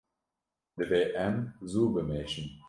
Divê em zû bimeşin.